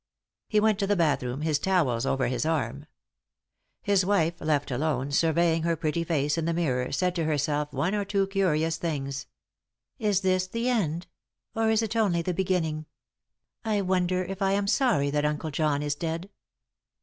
He went to the bath room, his towels over his arm. His wife, left alone, surveying her pretty face in the mirror, said to herself one or two curious things : 16 3i 9 iii^d by Google THE INTERRUPTED KISS " Is this the end ?— or is it only the beginning ? I wonder if I am sorry that Uncle John is dead